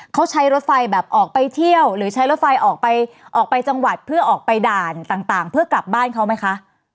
เขาใช้รถไฟแบบออกไปเที่ยวหรือใช้รถไฟออกไปออกไปจังหวัดเพื่อออกไปด่านต่างเพื่อกลับบ้านเขาไหมคะ